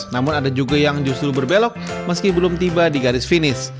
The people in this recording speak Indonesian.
namun ada juga yang justru berbelok meski belum tiba di garis finish